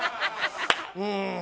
うん。